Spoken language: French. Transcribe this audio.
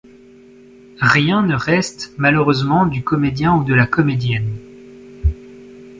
Rien ne reste malheureusement du comédien ou de la comédienne.